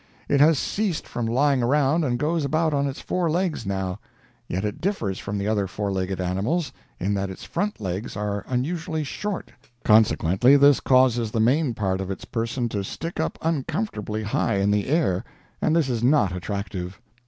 It has ceased from lying around, and goes about on its four legs now. Yet it differs from the other four legged animals, in that its front legs are unusually short, consequently this causes the main part of its person to stick up uncomfortably high in the air, and this is not attractive.